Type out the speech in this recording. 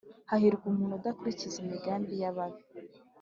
Hahirwa umuntu udakurikiza imigambi y’ababi